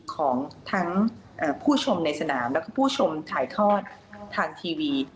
ของทั้งผู้ชมในสนามแล้วก็ผู้ชมถ่ายทอดทางทีวี